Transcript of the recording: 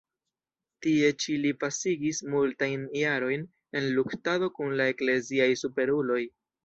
Tie ĉi li pasigis multajn jarojn en luktado kun la ekleziaj superuloj.